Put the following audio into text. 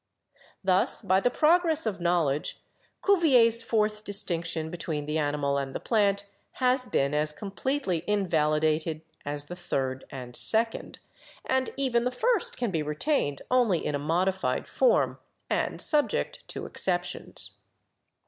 Thus, by the progress of knowledge, Cuvier's fourth distinction be tween the animal and the plant has been as completely in validated as the third and second, and even the first can be retained only in a modified form and subject to exceptions."